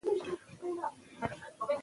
افغانستان د واورو په برخه کې نړیوال شهرت لري.